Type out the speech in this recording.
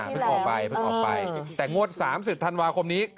เพิ่งออกไปแต่งวด๓๐ธันวาคมนี้